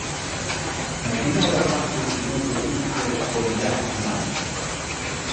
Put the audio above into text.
A quina hora passa el primer autobús per Esponellà dimarts?